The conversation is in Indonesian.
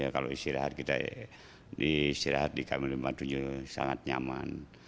kalau istirahat kita istirahat di kami lima puluh tujuh sangat nyaman